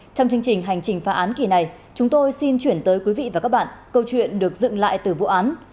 trong chương trình hành trình phá án kỳ này chúng tôi xin chuyển tới quý vị và các bạn câu chuyện được dựng lại từ vụ án